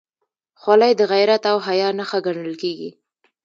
خولۍ د غیرت او حیا نښه ګڼل کېږي.